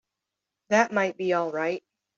That might be all right.